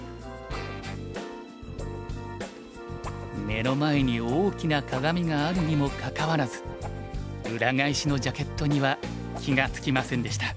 目の前に大きな鏡があるにもかかわらず裏返しのジャケットには気が付きませんでした。